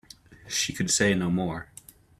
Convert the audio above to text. She could say no more.